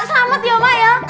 selamet yo mak